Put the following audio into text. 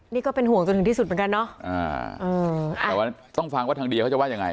นี่ก็เป็นห่วงจนถึงที่สุดเหมือนกันเนาะแต่ว่าต้องฟังว่าทางเดียเขาจะว่ายังไง